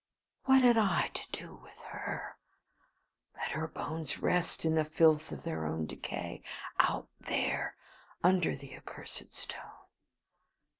What had I to do with her? Let her bones rest in the filth of their own decay, out there under the accursed stone.